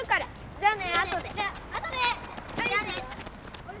じゃあね！